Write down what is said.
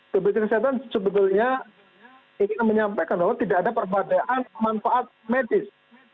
bpjs kesehatan sebetulnya ingin menyampaikan bahwa tidak ada perbedaan manfaat medis